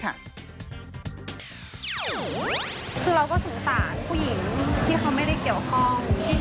คือเราก็สงสารผู้หญิงที่เขาไม่ได้เกี่ยวข้อง